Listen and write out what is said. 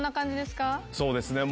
そうですね。